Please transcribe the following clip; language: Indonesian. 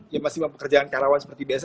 ya masih mempekerjakan karyawan seperti biasa